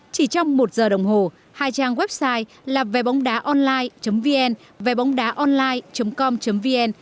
chỉ trong một giờ đồng hồ hai trang website là vebongdaonline vn vebongdaonline com vn